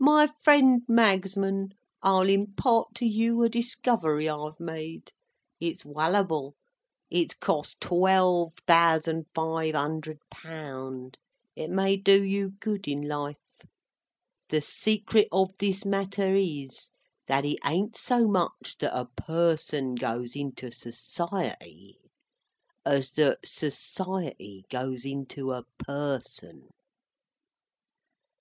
"My friend Magsman, I'll impart to you a discovery I've made. It's wallable; it's cost twelve thousand five hundred pound; it may do you good in life—The secret of this matter is, that it ain't so much that a person goes into Society, as that Society goes into a person."